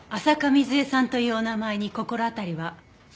浅香水絵さんというお名前に心当たりは？